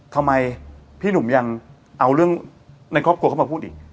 ทำไมพี่หนุ่มยังเอาเรื่องในครอบครัวเข้ามาพูดอีก